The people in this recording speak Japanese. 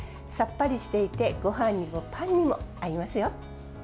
さっぱりしていてごはんにもパンにも合いますよ。